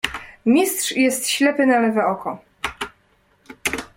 "Mistrz jest ślepy na lewe oko."